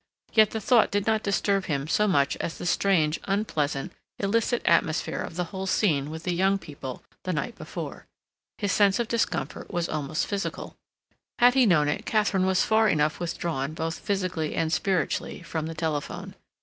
Yet the thought did not disturb him so much as the strange, unpleasant, illicit atmosphere of the whole scene with the young people the night before. His sense of discomfort was almost physical. Had he known it, Katharine was far enough withdrawn, both physically and spiritually, from the telephone.